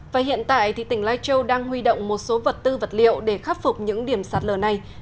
và hiện tại tỉnh lai châu đang huy động một số vật tư vật liệu để khắc phục những điểm sạt lở này